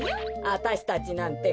あたしたちなんて